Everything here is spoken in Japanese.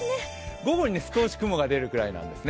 午後に少し雲が出るくらいなんですね。